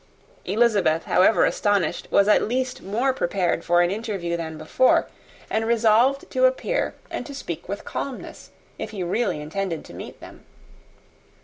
Elizabeth, however astonished, was at least more prepared for an interview than before, and resolved to appear and to speak with calmness, if he really intended to meet them.